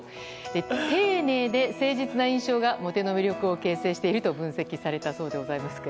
丁寧で誠実な印象がモテの魅力を形成していると分析されたそうでございますが。